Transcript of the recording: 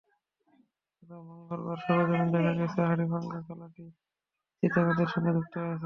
গতকাল মঙ্গলবার সরেজমিন দেখা গেছে, হাড়িভাঙা খালটি চিত্রা নদীর সঙ্গে যুক্ত হয়েছে।